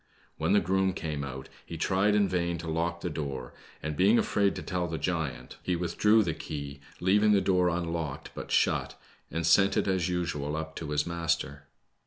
When the groom came out he tried in vain to lock the door, and being afraid to tell the giant. 116 BLACK SNEID. he withdrew the key, leaving the door unlocked but shut, and sent it as usual up to his master.